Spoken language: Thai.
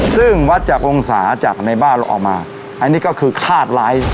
ซึ่งวัดจากองศาจากในบ้านเราออกมาอันนี้ก็คือคาดร้าย